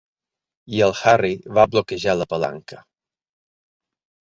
I el Harry va bloquejar la palanca.